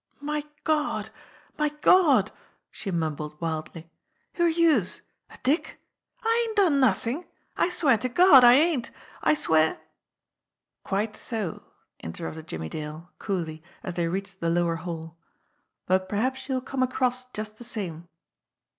"My Gawd ! My Gawd !" she mumbled wildly. "Who're youse? A dick? I ain't done nothin'! I swear to Gawd, I ain't! I swear " "Quite so!" interrupted Jimmie Dale coolly, as they Teached the lower hall. "But perhaps you will come across just the same."